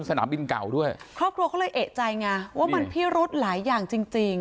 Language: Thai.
สนามบินเก่าด้วยครอบครัวเขาเลยเอกใจไงว่ามันพิรุธหลายอย่างจริงจริง